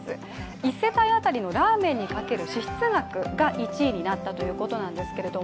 １世帯当たりのラーメンにかける支出額が１位になったということなんですけれども。